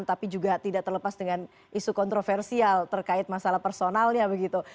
tapi juga tidak terlepas dengan isu kontroversial terkait masalah personalnya begitu